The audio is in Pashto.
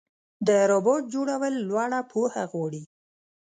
د روبوټ جوړول لوړه پوهه غواړي.